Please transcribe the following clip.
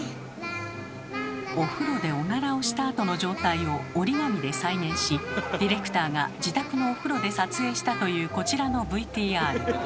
お風呂でオナラをしたあとの状態を折り紙で再現しディレクターが自宅のお風呂で撮影したというこちらのＶＴＲ。